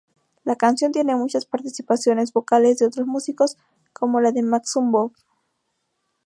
La canción tiene muchas participaciones vocales de otros músicos, como la de Maximum Bob.